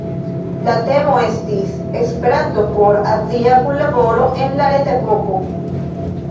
La temo estis "Esperanto por azia kunlaboro en la reta epoko!